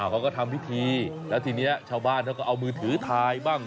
เขาก็ทำพิธีแล้วทีนี้ชาวบ้านเขาก็เอามือถือถ่ายบ้าง